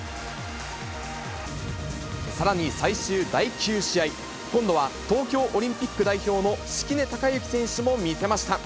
さらに最終第９試合、今度は、東京オリンピック代表の敷根崇裕選手も見せました。